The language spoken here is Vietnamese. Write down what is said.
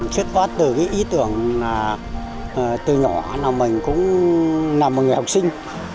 chuyên phát từ ý tưởng là từ nhỏ nào mình cũng là một người học sinh